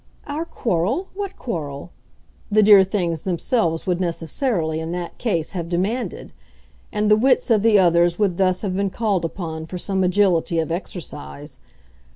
"Our quarrel? What quarrel?" the dear things themselves would necessarily, in that case, have demanded; and the wits of the others would thus have been called upon for some agility of exercise.